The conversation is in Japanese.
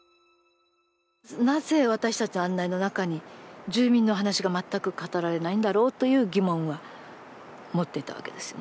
なぜ私たちの案内の中に住民の話が全く語られないんだろうという疑問は持っていたわけです。